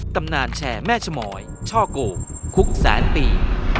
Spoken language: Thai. ตำนานแชร์แม่ชมอยช่อโกคุกแสนปี